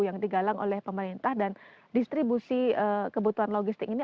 yang digalang oleh pemerintah dan distribusi kebutuhan logistik ini